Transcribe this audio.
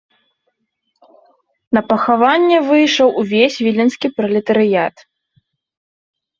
На пахаванне выйшаў увесь віленскі пралетарыят.